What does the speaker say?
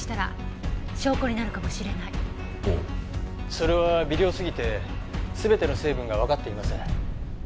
それは微量すぎて全ての成分がわかっていません。